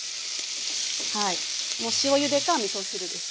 もう塩ゆでかみそ汁です。